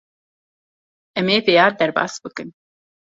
Em ê vêya derbas bikin.